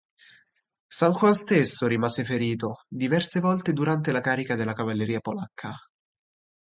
San Juan stesso rimase ferito diverse volte durante la carica della cavalleria polacca.